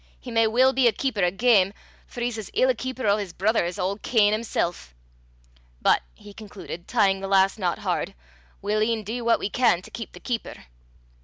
He may weel be a keeper o' ghem, for he's as ill a keeper o' 's brither as auld Cain himsel'. But," he concluded, tying the last knot hard, "we'll e'en dee what we can to keep the keeper."